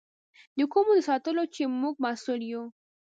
د کومو د ساتلو چې موږ مسؤل یو.